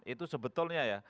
itu sebetulnya ya